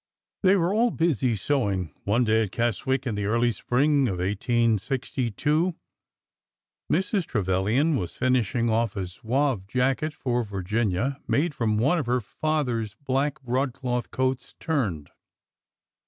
They were all busy sewing one day at Keswick in the early spring of 1862. Mrs. Trevilian was finishing off a zouave jacket for Virginia, made from one of her fa ther's black broadcloth coats turned.